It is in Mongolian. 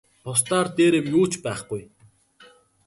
Бусдаар дээр юм юу ч байхгүй.